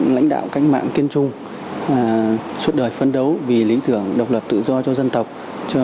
lãnh đạo cách mạng kiên trung suốt đời phấn đấu vì lý tưởng độc lập tự do cho dân tộc